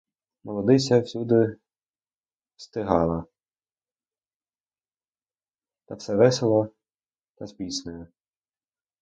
Молодиця всюди встигала, та все весело, та з піснею.